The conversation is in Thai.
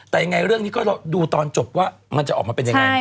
แต่ยังไงเรื่องนี้ก็ดูตอนจบว่ามันจะออกมาเป็นยังไง